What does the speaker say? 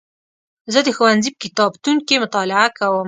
زه د ښوونځي په کتابتون کې مطالعه کوم.